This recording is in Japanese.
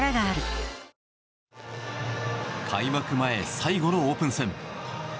前最後のオープン戦。